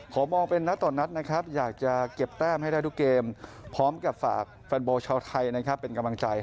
ก็จังหวะอาจจะมีฟิตพลาดบ้าง